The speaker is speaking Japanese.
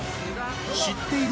「知っている」